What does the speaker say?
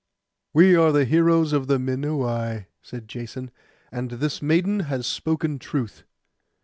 'We are the heroes of the Minuai,' said Jason; 'and this maiden has spoken truth.